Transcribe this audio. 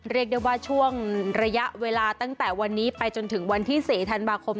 เรียกได้ว่าช่วงระยะเวลาตั้งแต่วันนี้ไปจนถึงวันที่๔ธันวาคม